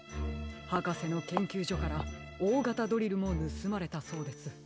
はかせのけんきゅうじょからおおがたドリルもぬすまれたそうです。